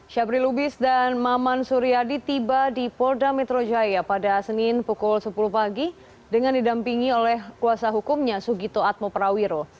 syabri lubis dan maman suryadi tiba di polda metro jaya pada senin pukul sepuluh pagi dengan didampingi oleh kuasa hukumnya sugito atmo prawiro